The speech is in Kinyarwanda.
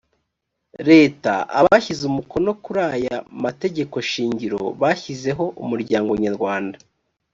leta abashyize umukono kuri aya mategekoshingiro bashyizeho umuryango nyarwanda